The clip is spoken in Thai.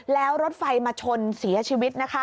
แล้วรถไฟมาชนเสียชีวิตนะคะ